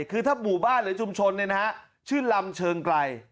คือถ้าหมู่บ้านหรือชุมชนเนี่ยนะฮะชื่อลำเชิงไกร